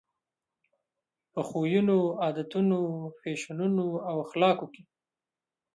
په خویونو، عادتونو، فیشنونو او اخلاقو کې.